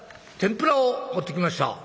「天ぷらを持ってきました」。